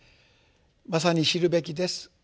まさに知るべきです。